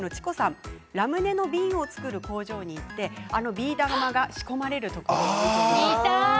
ラムネの瓶を作る工場に行ってビー玉が仕込まれるところを見たいということです。